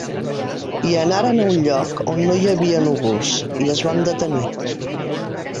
I anaren a un lloc on no hi havia núvols i es van detenir.